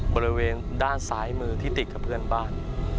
บริเวณด้านซ้ายมือที่ติดกับเพื่อนบ้าน